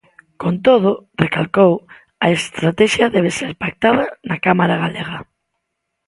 Con todo, recalcou, a estratexia debe ser pactada na Cámara galega.